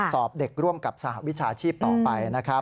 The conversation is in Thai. สอบเด็กร่วมกับสหวิชาชีพต่อไปนะครับ